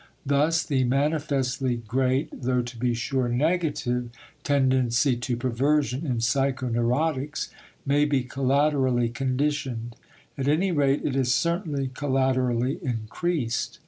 Thus the manifestly great (though to be sure negative) tendency to perversion in psychoneurotics may be collaterally conditioned; at any rate, it is certainly collaterally increased.